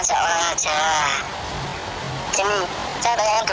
saya cuma ajak orang aja